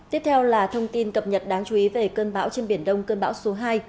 tiếp theo là thông tin cập nhật đáng chú ý về cơn bão trên biển đông cơn bão số hai